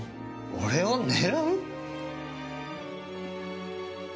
俺を狙う？